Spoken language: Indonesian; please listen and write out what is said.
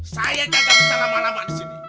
saya gagal bisa lama lama di sini